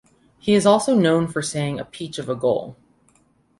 He also is known for saying a peach of a goal.